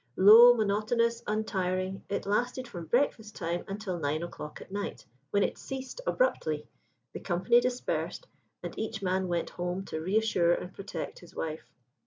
Low, monotonous, untiring, it lasted from breakfast time until nine o'clock at night, when it ceased abruptly, the company dispersed, and each man went home to reassure and protect his wife.